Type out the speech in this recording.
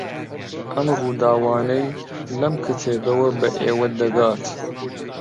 ئەم ڕووداوانەی لەم کتێبەوە بە ئێوە دەگات